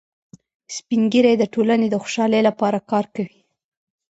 سپین ږیری د ټولنې د خوشحالۍ لپاره کار کوي